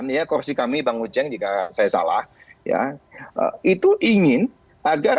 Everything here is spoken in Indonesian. ya kursi kami bang uceng jika saya salah ya itu ingin agar